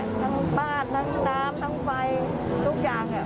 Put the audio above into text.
ตอนนี้ทุกอย่างเนี่ยทั้งบ้านทั้งน้ำทั้งไฟทุกอย่างเนี่ย